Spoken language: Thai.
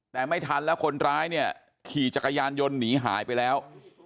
แต่ไม่ทันแล้วคนร้ายเนี่ยขี่จักรยานยนต์หนีหายไปแล้ว